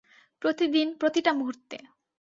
প্রতিদিন প্রতিটা মুহূর্তে।